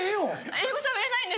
英語しゃべれないんです。